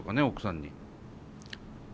奥さんに。